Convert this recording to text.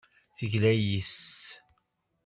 Tegla yes-s.